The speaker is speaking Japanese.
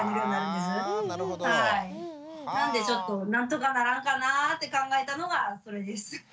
なんでちょっと何とかならんかなぁって考えたのがこれです。